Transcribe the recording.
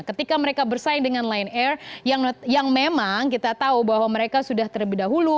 ketika mereka bersaing dengan lion air yang memang kita tahu bahwa mereka sudah terlebih dahulu